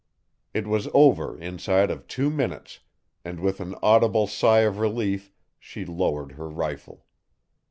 It was over inside of two minutes, and with an audible sigh of relief she lowered her rifle.